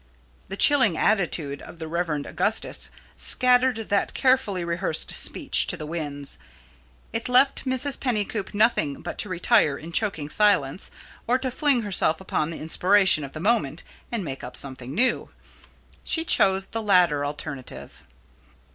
The chilling attitude of the Rev. Augustus scattered that carefully rehearsed speech to the winds. It left Mrs. Pennycoop nothing but to retire in choking silence, or to fling herself upon the inspiration of the moment and make up something new. She choose the latter alternative.